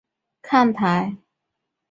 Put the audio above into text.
体育场有两层看台。